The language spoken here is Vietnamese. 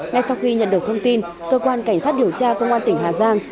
ngay sau khi nhận được thông tin cơ quan cảnh sát điều tra công an tỉnh hà giang